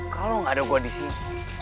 kalau gak ada gue disini